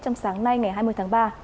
trong sáng nay ngày hai mươi tháng ba